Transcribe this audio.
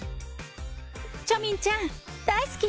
チョ・ミンちゃん、大好き。